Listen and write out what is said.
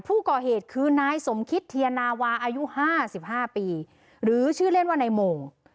ผู้ก่อเหตุคือนายสมคิตเทียนาวาอายุ๕๕ปีหรือชื่อเล่นว่านายโมง